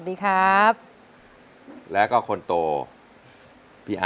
และมาเรากดคนที่๓